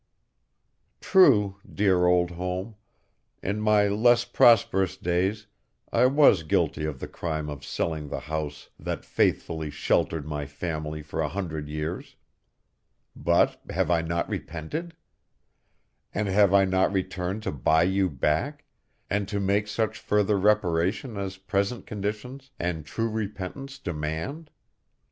True, dear old home; in my less prosperous days I was guilty of the crime of selling the house that faithfully sheltered my family for a hundred years. But have I not repented? And have I not returned to buy you back, and to make such further reparation as present conditions and true repentance demand?